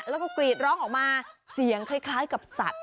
แล้วก็กรีดร้องออกมาเสียงคล้ายกับสัตว์